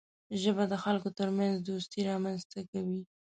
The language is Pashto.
ژبه د خلکو ترمنځ دوستي رامنځته کوي